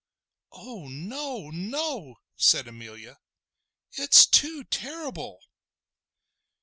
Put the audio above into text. "Oh no! no!" said Amelia. "It is too terrible!"